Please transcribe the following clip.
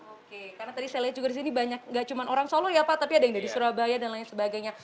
oke karena tadi saya lihat juga di sini banyak nggak cuma orang solo ya pak tapi ada yang dari surabaya dan lain sebagainya